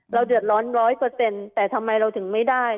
เราเดือดร้อน๑๐๐แต่ทำไมเราถึงไม่ได้